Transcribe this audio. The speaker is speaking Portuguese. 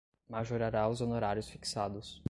majorará os honorários fixados